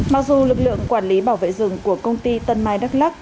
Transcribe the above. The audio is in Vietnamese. mặc dù lực lượng quản lý bảo vệ rừng của công ty tân mai đắk lắc